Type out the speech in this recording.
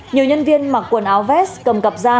nhiều nhân viên mặc quần áo vest cầm cặp da